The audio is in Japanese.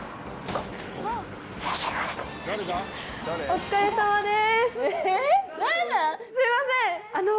お疲れさまです！